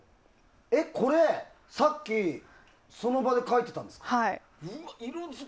これ、さっきその場で描いてたんですか？